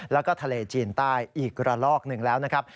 แล้วก็ทะเลจีนใต้อีกระลอกหนึ่งแล้วนะครับ